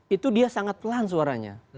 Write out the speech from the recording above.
itu dia sangat pelan suaranya